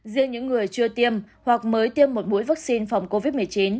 riêng những người chưa tiêm hoặc mới tiêm một mũi vaccine phòng covid một mươi chín